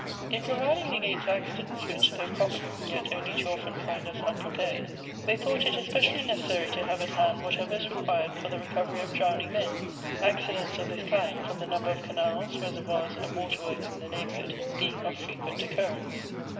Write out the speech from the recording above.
In providing against accidents, which, though common, yet only too often find us unprepared, they thought it especially necessary to have at hand whatever is required for the recovery of drowning men — accidents of this kind, from the number of canals, reservoirs, and water works in the neighborhood being of firequent occurrence.